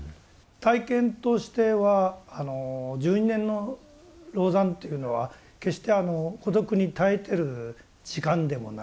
体験としては１２年の籠山というのは決して孤独に耐えてる時間でもないしまた期間でもなかった。